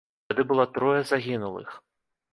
Тады было трое загінулых.